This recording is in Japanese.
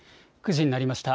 ９時になりました。